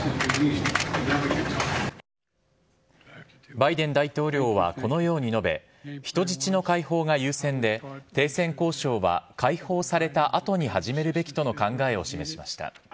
バイデン大統領はこのように述べ、人質の解放が優先で、停戦交渉は解放されたあとに始めるべきとの考えを示しました。